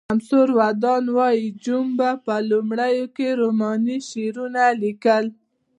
سمور ودان وایی جون په لومړیو کې رومانوي شعرونه لیکل